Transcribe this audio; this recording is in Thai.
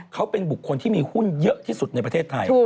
เขาเป็นบุคคลที่มีหุ้นเยอะที่สุดในประเทศไทย